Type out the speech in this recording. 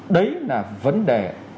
đấy là vấn đề